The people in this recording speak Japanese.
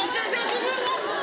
自分が。